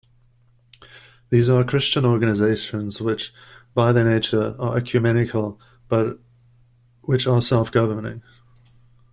These are Christian organizations which, by their nature, are ecumenical but which are self-governing.